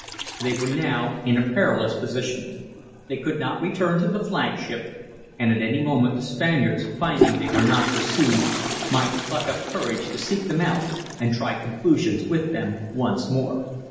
They were now in a perilous position. They could not return to the flagship, and at any moment the Spaniards, finding they were not pursued, might pluck up courage to seek them out and try conclusions with them once more.